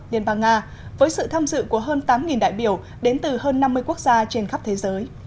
liên bang nga với sự tham dự của hơn tám đại biểu đến từ hơn năm mươi quốc gia trên khắp thế giới